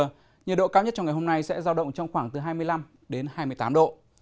nền nhiệt độ cao nhất trong ngày hôm nay sẽ giao động trong khoảng từ hai mươi năm đến hai mươi tám độ